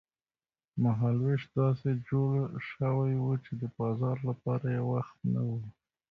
مهال وېش داسې جوړ شوی و چې د بازار لپاره یې وخت نه و.